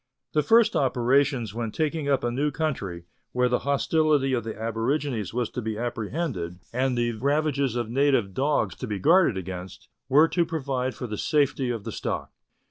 The first operations when taking up a new country, where the hostility of the aborigines Avas to be apprehended, and the Letters from Victorian Pioneers. 233 ravages of native dogs to be guarded against, were to provide for the safety of the stock.